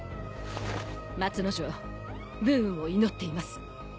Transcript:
松之丞武運を祈っています。